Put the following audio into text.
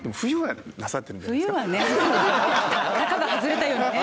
タガが外れたようにね。